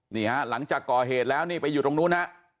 หลังจากก่อเหตุแล้วนี่ไปอยู่ตรงนู้นฮะ